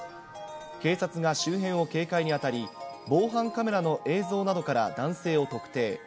警察が周辺を警戒に当たり、防犯カメラの映像などから男性を特定。